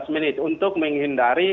lima belas menit untuk menghindari